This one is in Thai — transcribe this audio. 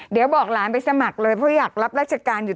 เดี๋ยวบอกหลานไปสมัครเลยเพราะอยากรับราชการอยู่